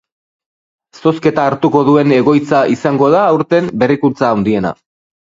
Zozketa hartuko duen egoitza izango da aurten berrikuntza handiena.